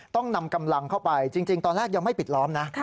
ต้องนำกำลังเข้าไปจริงตอนแรกยังไม่ปิดล้อมนะ